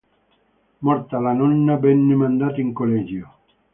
Morta la nonna venne mandata in collegio.